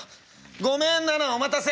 ごめんナナお待たせ」。